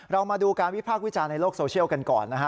เรามาดูการวิพากษ์วิจารณ์ในโลกโซเชียลกันก่อนนะฮะ